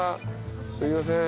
すいません。